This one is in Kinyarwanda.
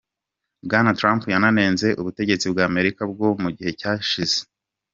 Bwana Trump yananenze ubutegetsi bw'Amerika bwo mu gihe cyashize.